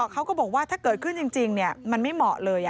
เขาก็บอกว่าถ้าเกิดขึ้นจริงมันไม่เหมาะเลย